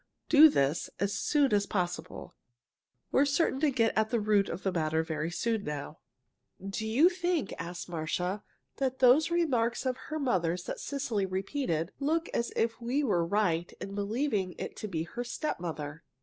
Do this as soon as possible. We're certain to get at the root of the matter very soon now." "Do you think," asked Marcia, "that those remarks of her mother's that Cecily repeated look as if we were right in believing it to be her stepmother?"